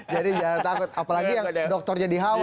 jadi jangan takut apalagi yang dokternya di hawaii